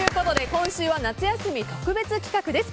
今週は夏休み特別企画です。